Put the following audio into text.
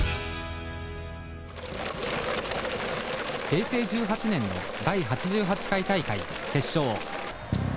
平成１８年の第８８回大会決勝。